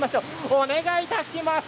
お願いいたします。